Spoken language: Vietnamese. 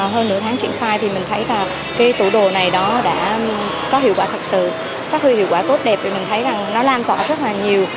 hơn nửa tháng triển khai thì mình thấy tủ đồ này đã có hiệu quả thật sự phát huy hiệu quả tốt đẹp vì mình thấy nó làm tỏa rất nhiều